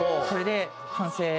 これで完成。